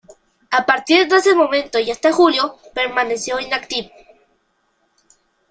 A partir de ese momento y hasta julio, permaneció inactivo.